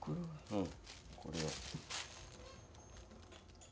うん。